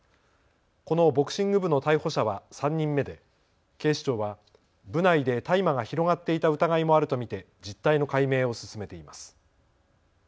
このボクシング部の逮捕者は３人目で警視庁は部内で大麻が広がっていた疑いもあると見て実態の解明を進めています。